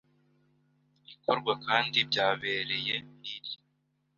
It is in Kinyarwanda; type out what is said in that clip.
ikorwa kandi byabererye hirya